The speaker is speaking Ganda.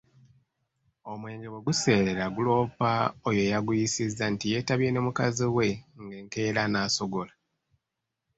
Omwenge bwe guseerera guloopa oyo eyaguyiisizza nti yeetabye ne mukazi we nga enkeera anaasogola?